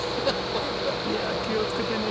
いやあ気をつけてね。